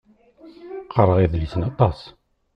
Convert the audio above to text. Qqareɣ idlisen aṭas.